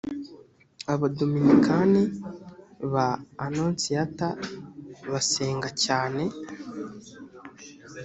abadominikani ba anonsiyata basenga cyane